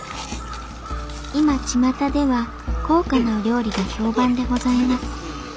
今巷では高価なお料理が評判でございます。